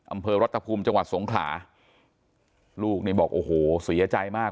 อำเภอรัฐภูมิจังหวัดสงขลาลูกนี่บอกโอ้โหเสียใจมาก